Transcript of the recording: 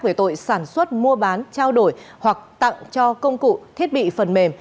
về tội sản xuất mua bán trao đổi hoặc tặng cho công cụ thiết bị phần mềm